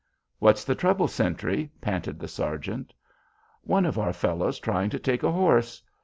"What's the trouble, sentry?" panted the sergeant. "One of our fellows trying to take a horse.